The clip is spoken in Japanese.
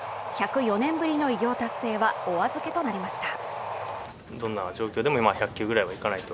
１０４年ぶりの偉業達成はお預けとなりました。